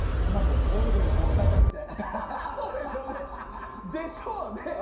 オールデンがもったいないって。でしょうね。